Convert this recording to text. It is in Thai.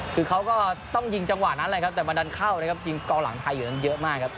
คือเขาก็ต้องยิงจังหวะนั้นแหละครับแต่มาดันเข้านะครับยิงกองหลังไทยอยู่นั้นเยอะมากครับ